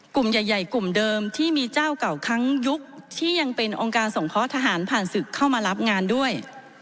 กลุ่มใหญ่กลุ่มเดิมที่มีเจ้าเก่าทั้งยุคที่ยังเป็นองค์การสงเคราะห์ทหารผ่านศึกเข้ามารับงานด้วย